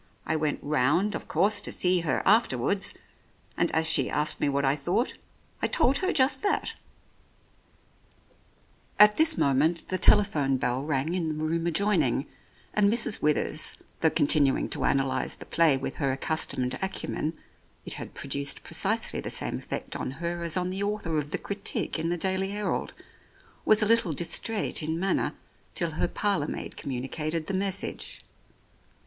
I went round, of course, to see her afterwards, and as she asked me what I thought I told her just that." 86 The Oriolists At this moment the telephone bell rang in the room adjoining, and Mrs. Withers, though continuing to analyse the play with her accustomed acumen (it had produced precisely the same effect on her as on the author of the critique in the Daily Herald) was a little distraite in manner till her parlour maid communicated the message.